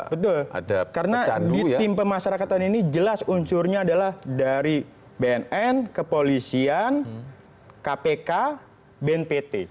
betul karena tim pemasarakatan ini jelas unsurnya adalah dari bnn ke polisian kpk bnpt